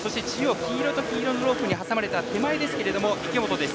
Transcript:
黄色と黄色のロープに挟まれた池本です。